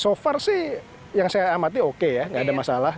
so far sih yang saya amati oke ya nggak ada masalah